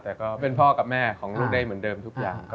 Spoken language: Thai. แต่ก็เป็นพ่อกับแม่ของลูกได้เหมือนเดิมทุกอย่าง